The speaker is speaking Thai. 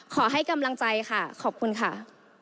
ขอให้กำลังใจค่ะขอบคุณค่ะ